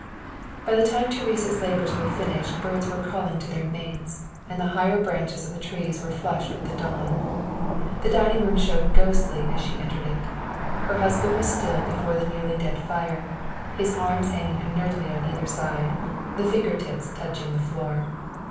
By the time Teresa's labours were finished birds were calling to their mates, and the higher branches of the trees were flushed with the dawn. The dining room showed ghostly as she entered it. Her husband was still before the nearly dead fire, his arms hanging inertly on either side, the finger tips touching the floor.